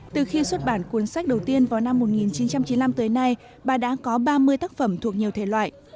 từ khi xuất bản cuốn sách đầu tiên vào năm một nghìn chín trăm chín mươi năm tới nay bà đã có ba mươi tác phẩm thuộc nhiều thể loại